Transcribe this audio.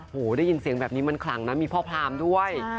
ได้ยินเสียงแบบนี้มันคลังนะมีพ่อพรามด้วย